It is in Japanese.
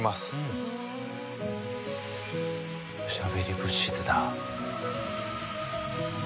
おしゃべり物質だ。